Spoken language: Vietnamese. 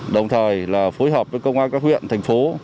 đồng thời là phối hợp với công an các huyện thành phố